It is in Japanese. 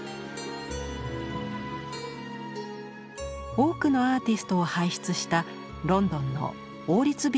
多くのアーティストを輩出したロンドンの王立美術学校に入学。